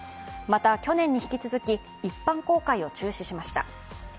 また、去年に引き続き、一般公開を中止しました。